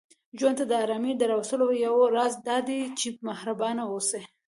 ژوند ته د آرامۍ د راوستلو یو راز دا دی، چې محربانه اوسئ